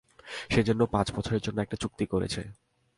সে জন্য পাঁচ বছরের জন্য একটা চুক্তি করেছে।